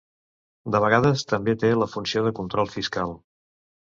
De vegades també té la funció de control fiscal.